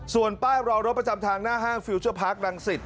ส่วนป้ายรอรถประจำทางหน้าห้างฟิลเจอร์พาร์ครังสิต